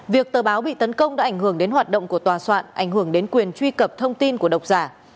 việc tờ báo bị tấn công đã ảnh hưởng đến hoạt động của tòa soạn ảnh hưởng đến quyền truy cập thông tin của độc giả